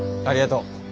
ありがとう。